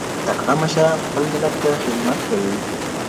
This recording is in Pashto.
تکړه مشران خپل ملت ته خدمت کوي.